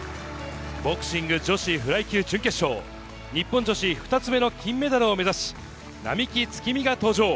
ボクシング女子フライ級準決勝、日本女子２つ目の金メダルを目指し、並木月海が登場。